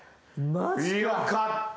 よかった。